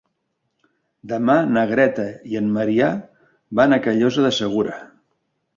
Demà na Greta i en Maria van a Callosa de Segura.